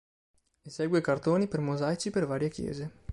Esegue cartoni per mosaici per varie chiese.